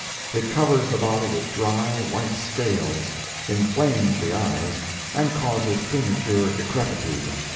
It covers the body with dry, white scales, inflames the eyes, and causes premature decrepitude.